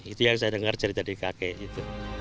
itu yang saya dengar cerita di kakek itu